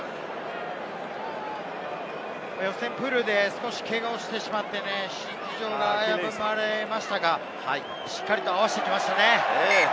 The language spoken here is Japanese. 予選プールで少しけがをしてしまって、出場が危ぶまれましたが、しっかり合わせてきましたね。